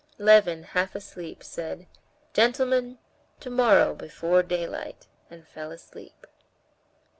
Levin, half asleep, said: "Gentlemen, tomorrow before daylight!" and fell asleep.